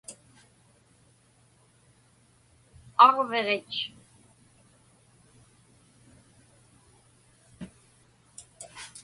aġviġit